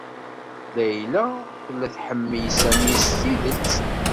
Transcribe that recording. Layla tella tḥemmel Sami s tidet.